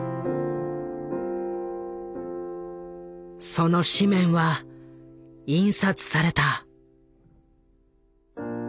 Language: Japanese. その紙面は印刷された。